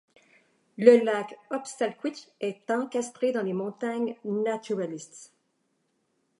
Le lac Upsalquitch est encastré dans les montagnes Naturalists.